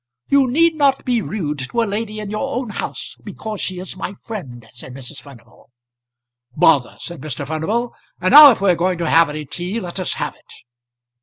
"You need not be rude to a lady in your own house, because she is my friend," said Mrs. Furnival. "Bother," said Mr. Furnival. "And now if we are going to have any tea, let us have it."